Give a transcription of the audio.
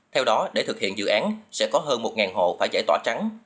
theo đó để thực hiện dự án sẽ có hơn một hộ phải giải tỏa trắng